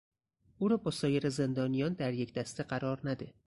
او را با سایر زندانیان در یک دسته قرار نده.